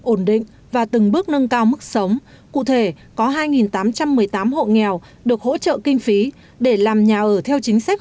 ổn định và từng bước nâng cao mức sống cụ thể có hai tám trăm một mươi tám hộ nghèo được hỗ trợ kinh phí để làm nhà ở theo chính sách